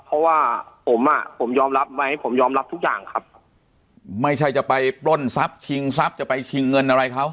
เพราะว่าผมอ่ะผมยอมรับไหมผมยอมรับทุกอย่างครับไม่ใช่จะไปปล้นทรัพย์ชิงทรัพย์จะไปชิงเงินอะไรเขา